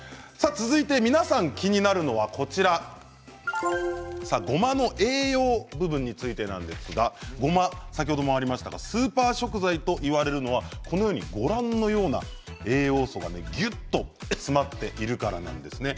皆さん気になるのはごまの栄養分についてなんですがごま、スーパー食材といわれるのはご覧のような栄養素がぎゅっと詰まっているからなんですね。